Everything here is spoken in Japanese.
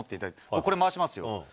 これ、回しますよ。